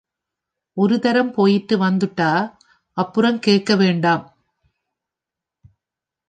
ஒரு தரம் போயிட்டு வந்துட்டா, அப்புறங் கேக்க வேண்டாம்.